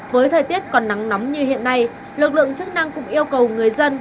với thời tiết còn nắng nóng như hiện nay lực lượng chức năng cũng yêu cầu người dân